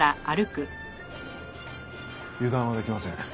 油断はできません。